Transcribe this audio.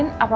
ada apa ya